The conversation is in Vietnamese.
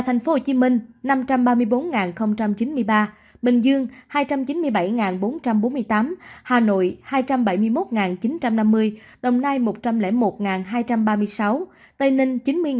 tp hcm năm trăm ba mươi bốn chín mươi ba bình dương hai trăm chín mươi bảy bốn trăm bốn mươi tám hà nội hai trăm bảy mươi một chín trăm năm mươi đồng nai một trăm linh một hai trăm ba mươi sáu tây ninh chín mươi bốn trăm hai mươi năm